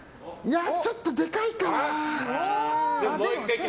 ちょっとでかいかな？